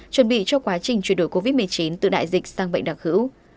chuẩn bị cho quá trình truyền đổi covid một mươi chín từ đại dịch sang mệnh đặc hữu